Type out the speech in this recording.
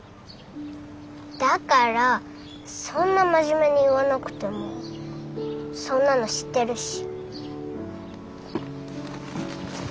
だからそんな真面目に言わなくてもそんなの知ってるし。